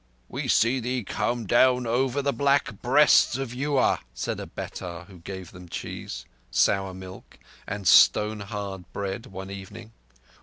"We saw thee come down over the black Breasts of Eua," said a Betah who gave them cheese, sour milk, and stone hard bread one evening.